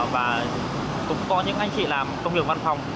và cũng có những anh chị làm công việc văn phòng